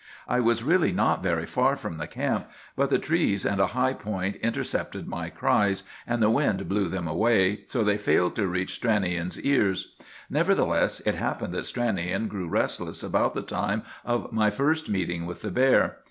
"I was really not very far from the camp; but the trees and a high point intercepted my cries, and the wind blew them away, so they failed to reach Stranion's ears. Nevertheless, it happened that Stranion grew restless about the time of my first meeting with the bear.